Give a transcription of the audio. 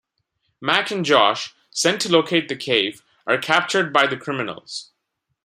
Mac and Josh, sent to locate the cave, are captured by the criminals.